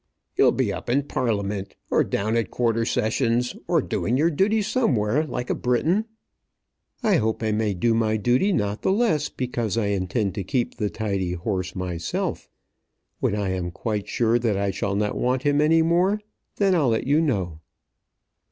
"You'll be up in Parliament, or down at Quarter Sessions, or doing your duty somewhere like a Briton." "I hope I may do my duty not the less because I intend to keep the tidy horse myself. When I am quite sure that I shall not want him any more, then I'll let you know."